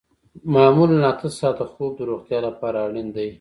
معمولاً اته ساعته خوب د روغتیا لپاره اړین دی